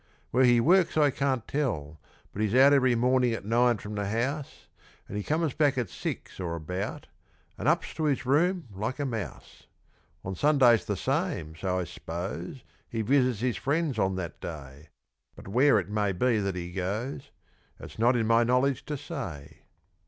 Where he works I can't tell, but he's out Every morning at nine from the house, And he comes back at six or about, And ups to his room like a mouse. On Sundays the same, so I s'pose He visits his friends on that day, But where it may be that he goes It's not in my knowledge to say.